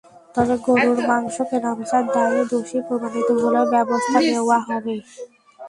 তবে গরুর মাংস কেনাবেচার দায়ে দোষী প্রমাণিত হলেও ব্যবস্থা নেওয়া হবে।